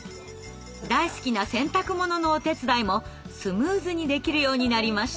大好きな洗濯物のお手伝いもスムーズにできるようになりました。